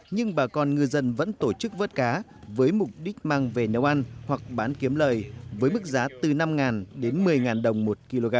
nhưng bà con ngư dân vẫn tổ chức vớt cá với mục đích mang về nấu ăn hoặc bán kiếm lời với mức giá từ năm đến một mươi đồng một kg